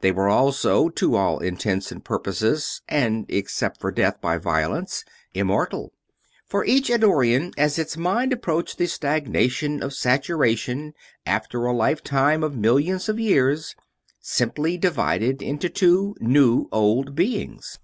They were also, to all intents and purposes and except for death by violence, immortal. For each Eddorian, as its mind approached the stagnation of saturation after a lifetime of millions of years, simply divided into two new old beings.